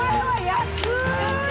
安い！